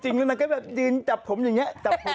จริงก็แบบจบผมอย่างไง